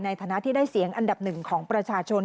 ในฐานะที่ได้เสียงอันดับหนึ่งของประชาชน